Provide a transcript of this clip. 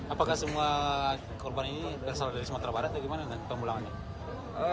apakah semua korban ini berasal dari sumatera barat atau bagaimana pemulangan ini